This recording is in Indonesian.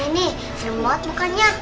nenek nenek banget bukannya